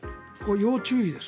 要注意です。